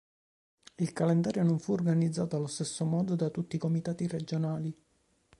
Il calendario non fu organizzato allo stesso modo da tutti i Comitati Regionali.